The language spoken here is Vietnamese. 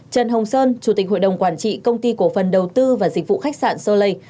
trần hồng sơn chủ tịch hội đồng quản trị công ty cổ phần đầu tư và dịch vụ khách sạn solei